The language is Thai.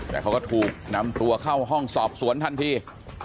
แต่เขาก็ถูกนำตัวเข้าห้องสอบสวนทันที